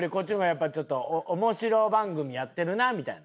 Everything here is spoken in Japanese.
やっぱちょっと面白番組やってるなみたいな。